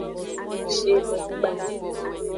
Shilekpa.